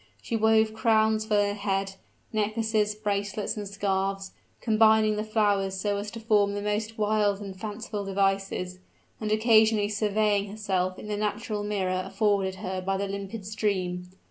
She wove crowns for her head necklaces, bracelets, and scarfs, combining the flowers so as to form the most wild and fanciful devices, and occasionally surveying herself in the natural mirror afforded her by the limpid stream.